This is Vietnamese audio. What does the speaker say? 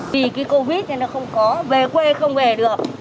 vì cái covid nên nó không có về quê không về được